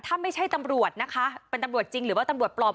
ถ้าไม่ใช่ตำรวจนะคะเป็นตำรวจจริงหรือว่าตำรวจปลอม